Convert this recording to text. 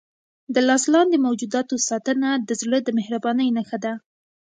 د لاس لاندې موجوداتو ساتنه د زړه د مهربانۍ نښه ده.